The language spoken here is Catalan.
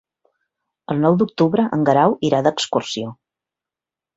El nou d'octubre en Guerau irà d'excursió.